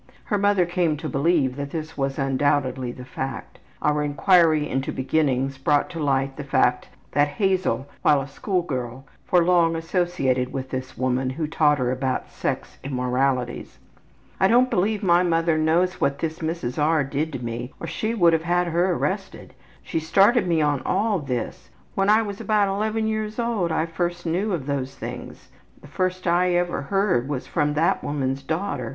Her mother came to believe that this was undoubtedly the fact. Our inquiry into beginnings brought to light the fact that Hazel while a school girl for long associated with this woman who taught her about sex immoralities. ``I don't believe my mother knows what this Mrs. R. did to me or she would have her arrested. She started me on all this. When I was about 11 years old I first knew of those things. The first I ever heard was from that woman's daughter.